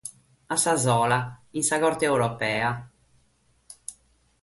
A sa sola, in sa Corte europea.